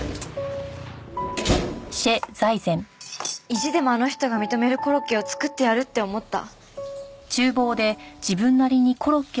意地でもあの人が認めるコロッケを作ってやるって思った。